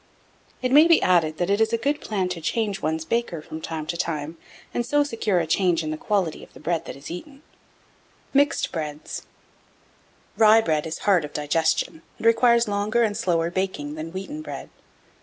1683. It may be added, that it is a good plan to change one's baker from time to time, and so secure a change in the quality of the bread that is eaten. 1684. MIXED BREADS. Rye bread is hard of digestion, and requires longer and slower baking than wheaten bread.